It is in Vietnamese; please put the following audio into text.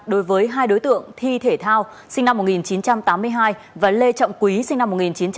đối với hai đối tượng thi thể thao sinh năm một nghìn chín trăm tám mươi hai và lê trọng quý sinh năm một nghìn chín trăm tám mươi